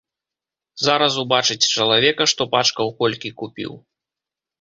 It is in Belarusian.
Зараз убачыць чалавека, што пачкаў колькі купіў.